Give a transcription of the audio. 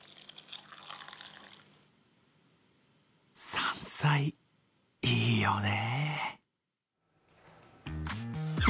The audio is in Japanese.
山菜、いいよね。